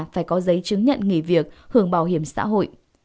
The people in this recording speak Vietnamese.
phải có giấy chứng nhận nghỉ việc hưởng bảo hiểm xã hội